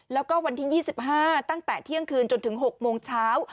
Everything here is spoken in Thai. แล้วก็วันที่๒๕ตั้งแต่เที่ยงคืนจนถึง๖โมงเช้า